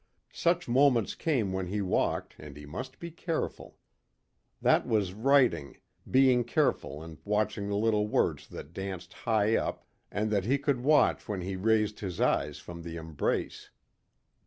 Such moments came when he walked and he must be careful. That was writing, being careful and watching the little words that danced high up and that he could watch when he raised his eyes from the embrace.